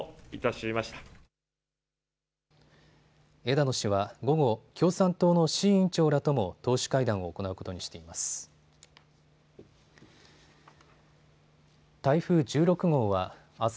枝野氏は午後、共産党の志位委員長らとも党首会談を行うことにしています。